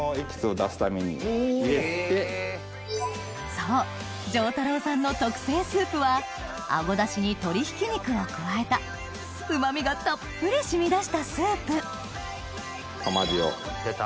そう丈太郎さんの特製スープはアゴダシに鶏ひき肉を加えたうま味がたっぷり染み出したスープはま塩。出た。